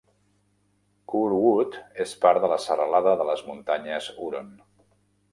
Curwood és part de la serralada de les muntanyes Huron.